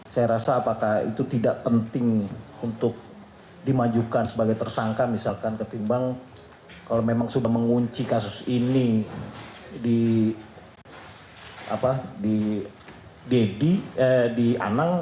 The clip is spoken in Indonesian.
saya rasa apakah itu tidak penting untuk dimajukan sebagai tersangka misalkan ketimbang kalau memang sudah mengunci kasus ini di anang